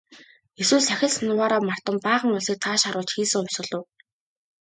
Эсвэл сахил санваараа мартан баахан улсыг цааш харуулж хийсэн хувьсгал уу?